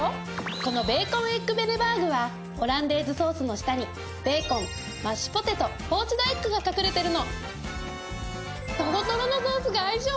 このベーコンエッグベネバーグはオランデーズソースの下にベーコンマッシュポテトポーチドエッグが隠れてるの。